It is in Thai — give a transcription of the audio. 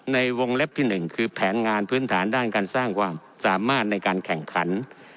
ในวงเล็บที่๑คือแผนงานพื้นฐานด้านการสร้างความสามารถในการแข่งขัน